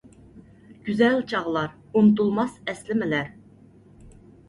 گۈزەل چاغلار، ئۇنتۇلماس ئەسلىمىلەر!